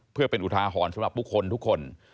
เพื่อเป็นอุทาหรณ์สำหรับผู้คนทุกคน